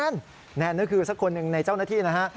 นั่นคือสักคนหนึ่งในเจ้าหน้าที่นะฮะ